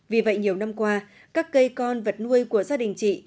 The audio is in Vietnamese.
vì vậy nhiều năm qua các cây con vật nuôi của gia đình chị